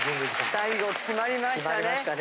最後決まりましたね。